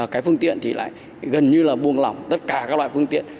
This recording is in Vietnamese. cái phương tiện thì lại gần như là buông lỏng tất cả các loại phương tiện